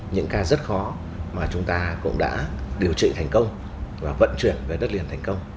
những ca rất khó mà chúng ta cũng đã điều trị thành công và vận chuyển về đất liền thành công